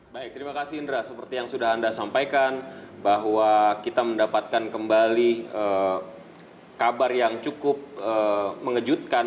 baik terima kasih indra seperti yang sudah anda sampaikan bahwa kita mendapatkan kembali kabar yang cukup mengejutkan